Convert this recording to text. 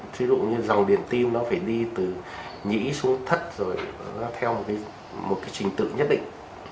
thí dụ như dòng điện tim nó phải đi từ nhĩ xuống thất rồi nó theo một cái trình tự nhất định